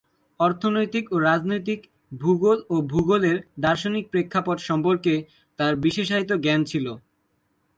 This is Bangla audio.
অর্থনৈতিক ও রাজনৈতিক ভূগোল ও ভূগোলের দার্শনিক প্রেক্ষাপট সম্পর্কে তাঁর বিশেষায়িত জ্ঞান ছিল।